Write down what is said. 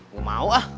gak mau ah